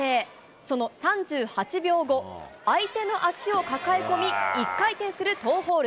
その３８秒後、相手の足を抱え込み１回転するトーホール。